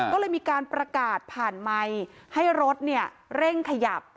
ก็เลยมีการประกาศผ่านไมค์ให้รถเร่งขยับ